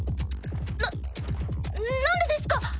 ななんでですか？